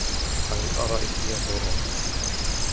على الأرائك ينظرون